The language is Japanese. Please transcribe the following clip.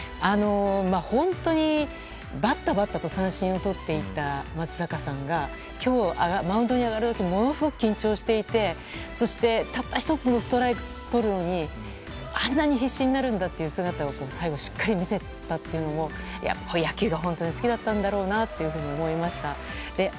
本当に、ばったばったと三振をとっていた松坂さんが、今日マウンドに上がるとものすごく緊張していてそしてたった１つのストライクをとるのにあんなに必死になるんだという姿を最後、しっかり見せたというのも野球が本当に好きだったんだろうなというふうに思いました。